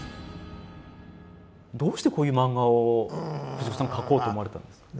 どうしてこういう漫画を藤子さん描こうと思われたんですか？